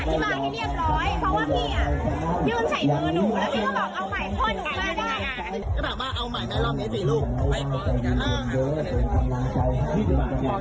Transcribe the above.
พี่ควรอ่ะที่มาให้เรียบร้อย